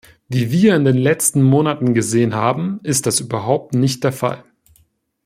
Wie wir in den letzten Monaten gesehen haben, ist das überhaupt nicht der Fall.